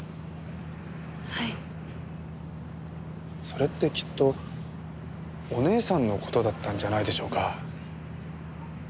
それってきっとお姉さんの事だったんじゃないでしょうか？